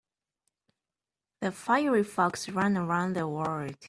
The fiery fox ran around the world.